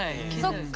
そっか。